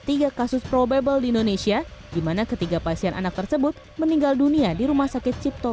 tiga kasus probabel indonesia dimana ketiga pasien anak tersebut meninggal dunia dirumah sakit cipto